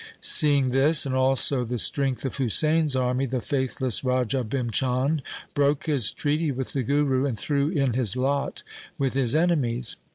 Seeing this and also the strength of Husain' s army, the faithless Raja Bhim Chand broke his treaty with the Guru, and threw in his lot with his enemies.